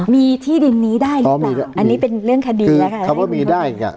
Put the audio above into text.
มีที่ดินนี้ได้หรือเปล่าอันนี้เป็นเรื่องคดีแล้วค่ะคำว่ามีได้อีกอ่ะ